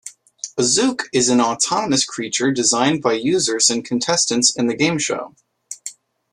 A Zook is an autonomous creature designed by users and contestants in the gameshow.